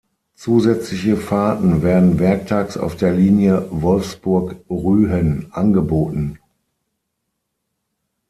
Zusätzliche Fahrten werden werktags auf der Linie Wolfsburg–Rühen angeboten.